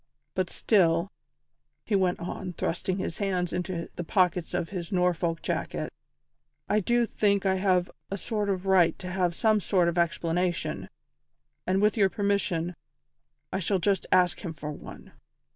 But still," he went on, thrusting his hands into the pockets of his Norfolk jacket, "I do think I have a sort of right to have some sort of explanation, and with your permission I shall just ask him for one."